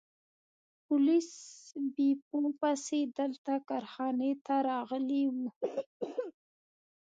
پولیس بیپو پسې دلته کارخانې ته راغلي وو.